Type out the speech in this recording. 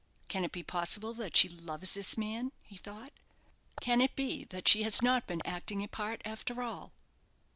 "Can it be possible that she loves this man?" he thought. "Can it be that she has not been acting a part after all?"